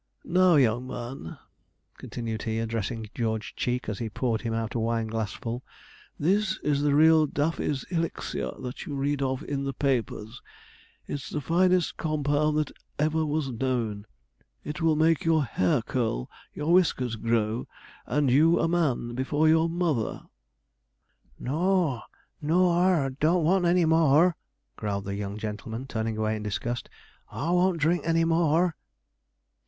Now, young man,' continued he, addressing George Cheek, as he poured him out a wineglassful, 'this is the real Daffy's elixir that you read of in the papers. It's the finest compound that ever was known. It will make your hair curl, your whiskers grow, and you a man before your mother.' 'N o a, n o ar, don't want any more,' growled the young gentleman, turning away in disgust. 'Ar won't drink any more.'